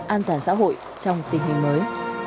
an toàn xã hội trong tình hình mới